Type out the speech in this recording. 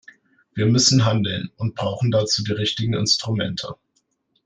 Wir müssen handeln und brauchen dazu die richtigen Instrumente.